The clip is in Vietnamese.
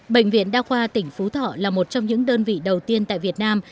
bệnh viện đa khoa tỉnh phú thọ là một trong những đơn vị đầu tiên tại việt nam